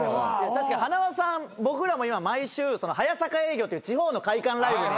確かに塙さん僕らも今毎週早坂営業っていう地方の会館ライブに一緒に。